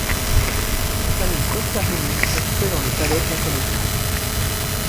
La famille Foscarini habitait dans le palais face à l'église.